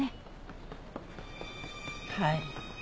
はい。